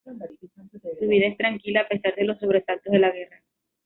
Su vida es tranquila a pesar de los sobresaltos de la guerra.